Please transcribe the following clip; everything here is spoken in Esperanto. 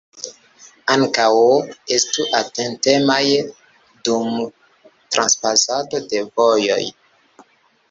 Ankaŭ estu atentemaj dum transpasado de vojoj.